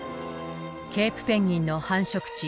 ケープペンギンの繁殖地